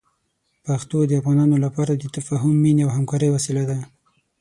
پښتو د افغانانو لپاره د تفاهم، مینې او همکارۍ وسیله ده.